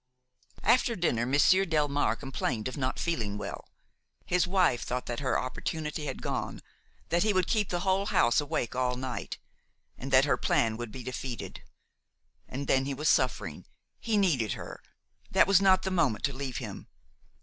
After dinner Monsieur Delmare complained of not feeling well. His wife thought that her opportunity had gone, that he would keep the whole house awake all night, and that her plan would be defeated; and then he was suffering, he needed her; that was not the moment to leave him.